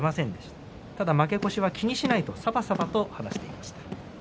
ただ負け越しは気にしないとさばさばとしていました。